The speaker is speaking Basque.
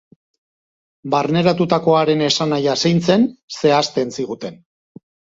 Barneratutakoaren esanahia zein zen zehazten ziguten.